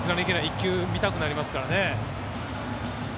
１球見たくなりますからね。